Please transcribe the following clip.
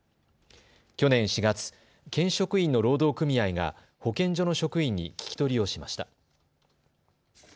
去年４月、県職員の労働組合が保健所の職員に聞き取りをしました。